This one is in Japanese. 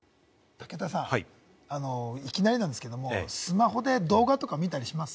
武田さん、いきなりなんですけれども、スマホで動画とか見たりします？